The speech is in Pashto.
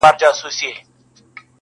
پر دښمن به مو ترخه زندګاني کړه-